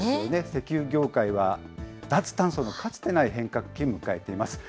石油業界は、脱炭素のかつてない変革期を迎えています。